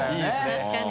確かに。